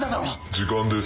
時間です。